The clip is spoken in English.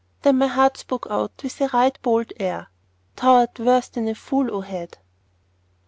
Then my heart spoke out with a right bold air: "Thou art worse than a fool, O head!"